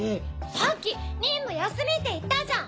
さっき任務休みって言ったじゃん！